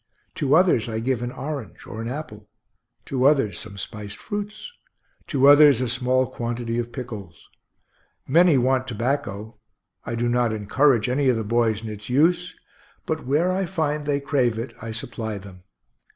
To others I give an orange or an apple; to others some spiced fruits; to others a small quantity of pickles. Many want tobacco: I do not encourage any of the boys in its use, but where I find they crave it I supply them.